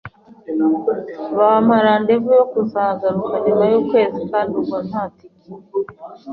bampa rendez vous yo kuzagaruka nyuma y’ukwezi kandi ubwo nta ticket